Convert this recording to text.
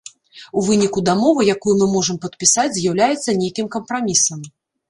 У выніку дамова, якую мы можам падпісаць, з'яўляецца нейкім кампрамісам.